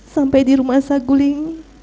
sampai di rumah saguling